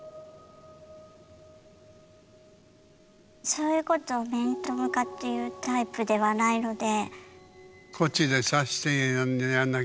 そういうことを面と向かって言うタイプではないので。